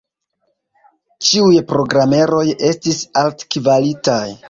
Ĉiuj programeroj estis altkvalitaj.